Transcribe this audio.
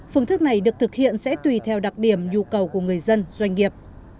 phương thức này được thực hiện sẽ tùy theo đặc điểm nhu cầu của người dân doanh nghiệp